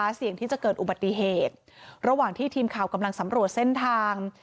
เสี่ยงที่จะเกิดอุบัติเหตุระหว่างที่ทีมข่าวกำลังสำรวจเส้นทาง